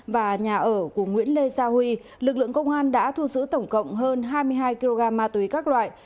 và nhà ở của nguyễn lê gia huy lực lượng công an đã thu giữ tổng cộng hơn hai mươi hai kg ma túy các loại